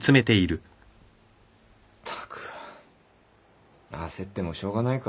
ったく焦ってもしょうがないか。